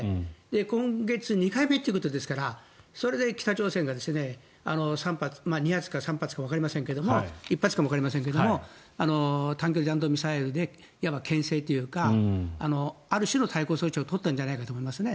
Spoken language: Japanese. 今月２回目ということですからそれで北朝鮮が２発か３発かわかりませんが１発かもわかりませんが短距離弾道ミサイルでいわばけん制というかある種の対抗措置を取ったんじゃないかなと思いますね。